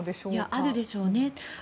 あるでしょうね。